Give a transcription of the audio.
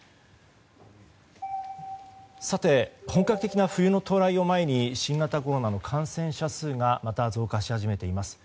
本格的な冬の到来を前に新型コロナの感染者数がまた増加し始めています。